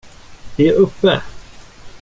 Vi är uppe!